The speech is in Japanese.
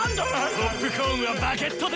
ポップコーンはバケットで！